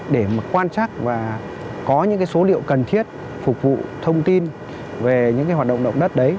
để mà quan trắc và có những số liệu cần thiết phục vụ thông tin về những hoạt động động đất đấy